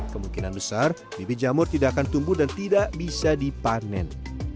kemungkinan besar bibit jamur tidak akan tumbuh dan tidak bisa dipanen